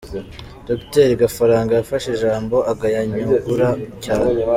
Docteur Gafaranga yafashe ijambo, agaya Nyungura cyane.